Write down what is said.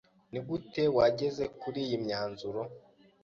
Nigute wageze kuriyi myanzuro?